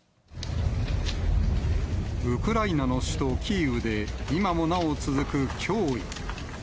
ウクライナの首都キーウで、今もなお続く脅威。